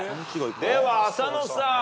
では浅野さん。